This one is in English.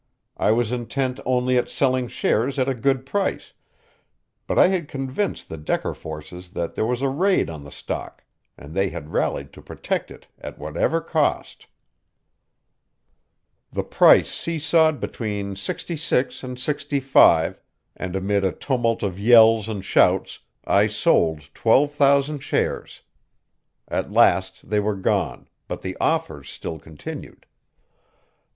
I was intent only at selling shares at a good price, but I had convinced the Decker forces that there was a raid on the stock, and they had rallied to protect it at whatever cost. The price see sawed between sixty six and sixty five, and amid a tumult of yells and shouts I sold twelve thousand shares. At last they were gone, but the offers still continued.